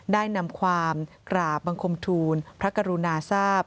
ได้นำความกราบบังคมทูลพระกรุณาทราบ